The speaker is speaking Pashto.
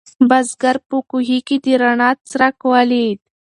بزګر په کوهي کې د رڼا څرک ولید.